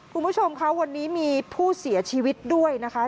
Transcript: คุณผู้ชมคะวันนี้มีผู้เสียชีวิตด้วยนะคะ